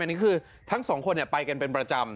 อันนี้คือทั้งสองคนไปกันเป็นประจำ